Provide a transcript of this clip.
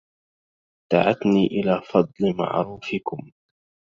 دعتني إلى فضل معروفكم